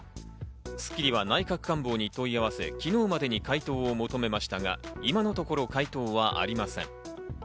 『スッキリ』は内閣官房に問い合わせ、昨日までに回答を求めましたが、今のところ回答はありません。